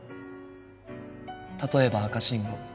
例えば赤信号。